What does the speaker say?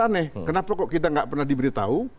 aneh kenapa kok kita nggak pernah diberitahu